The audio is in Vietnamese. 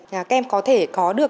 các em có thể có được